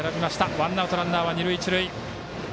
ワンアウト、ランナー、二塁一塁。